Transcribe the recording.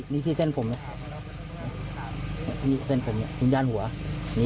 นี่ด้านตัวตัวผมว่าน่าจะฝังในข้างล่างอีก